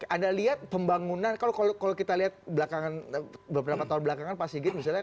anda lihat pembangunan kalau kita lihat beberapa tahun belakangan pak sigit misalnya